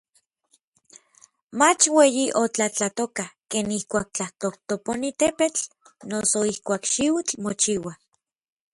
mach ueyi otlatlatoka, ken ijkuak tlatojtoponi tepetl noso ijkuak xiutl mochiua.